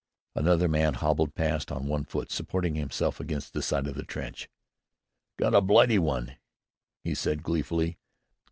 Another man hobbled past on one foot, supporting himself against the side of the trench. "Got a Blightey one," he said gleefully.